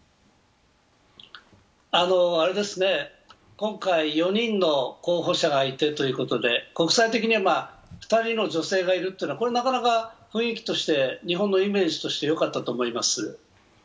今回、４人の候補者がいてということで、国際的には２人の女性がいるというのは、なかなか雰囲気として、日本のイメージとしてよかったと思います。